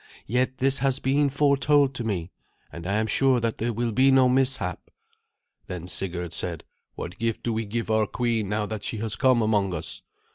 Yet this has been foretold to me, and I am sure that there will be no mishap." Then Sigurd said, "What gift do we give our queen, now that she has come among us?"